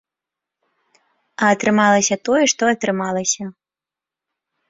А атрымалася тое, што атрымалася.